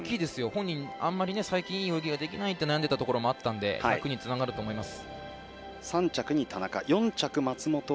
本人、いい泳ぎができないって悩んでいたところもあったので１００につながると思います。